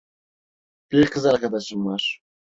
Bir kız arkadaşım var.